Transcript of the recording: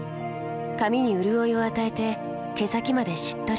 髪にうるおいを与えて毛先までしっとり。